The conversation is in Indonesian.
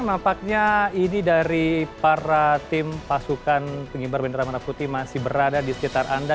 nampaknya ini dari para tim pasukan pengibaran bendera merdeka putih masih berada di sekitar anda